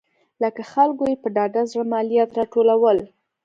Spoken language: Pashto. له خلکو یې په ډاډه زړه مالیات راټولول